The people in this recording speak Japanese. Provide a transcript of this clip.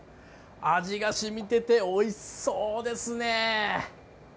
味が染みてておいしそうですね！